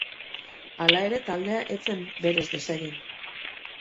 Hala ere, taldea ez zen berez desegin.